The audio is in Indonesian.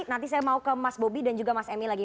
nanti saya mau ke mas bobi dan juga mas emil lagi